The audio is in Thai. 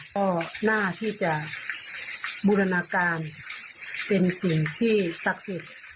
ก็น่าที่จะบูรณาการเป็นสิ่งที่ศักดิ์สิทธิ์